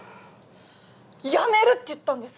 辞めるって言ったんです。